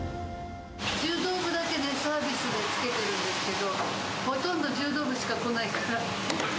柔道部だけで、サービスでつけてるんですけど、ほとんど柔道部しか来ないから。